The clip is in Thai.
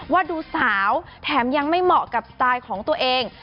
ว่าดูสาวแถมยังไม่เหมาะกับสไตล์ของตัวเอง